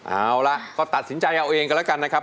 เอาละก็ตัดสินใจเอาเองกันแล้วกันนะครับ